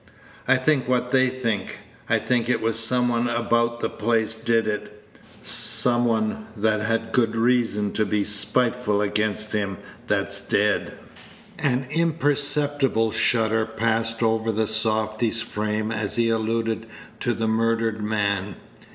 I think what they think. I think it was some one about the place did it; some one that had good reason to be spiteful against him that's dead." Page 167 An imperceptible shudder passed over the softy's frame as he alluded to the murdered man.